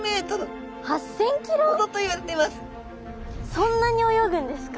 そんなに泳ぐんですか？